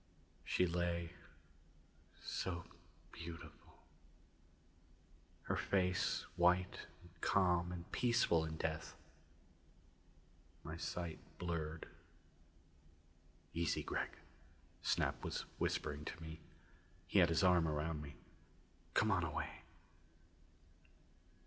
She lay, so beautiful. Her face, white and calm and peaceful in death. My sight blurred. "Easy Gregg," Snap was whispering to me. He had his arm around me. "Come on away."